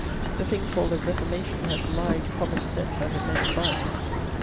The thing called the "Reformation," has lied common sense out of men's minds.